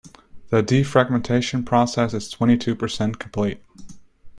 The defragmentation process is twenty-two percent complete.